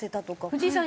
藤井さん